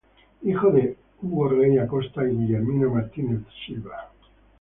Hijo de Hugo Rey Acosta y Guillermina Martínez Silva.